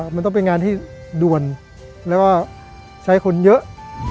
มันต้องเป็นงานที่ด่วนแล้วก็ใช้คนเยอะ